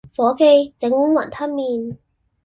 伙記，整碗雲吞麵